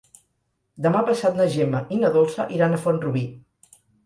Demà passat na Gemma i na Dolça iran a Font-rubí.